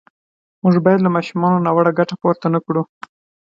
موږ باید له ماشومانو ناوړه ګټه پورته نه کړو.